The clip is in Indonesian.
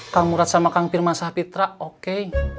kang murad sama kang firmansah pitra oke